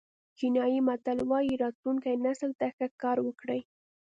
چینایي متل وایي راتلونکي نسل ته ښه کار وکړئ.